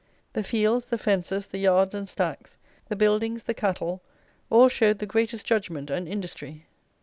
The fields, the fences, the yards and stacks, the buildings, the cattle, all showed the greatest judgment and industry.